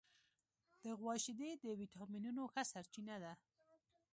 د غوا شیدې د وټامینونو ښه سرچینه ده.